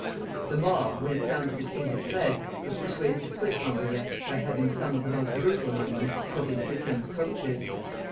The mob, when it found that the king had fled, was persuaded to quit Rambouillet by having some of the most brutal among them put into the king's coaches.